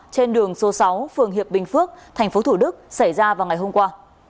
trên đường số sáu phường hiệp bình phước tp thủ đức xảy ra vào ngày hôm qua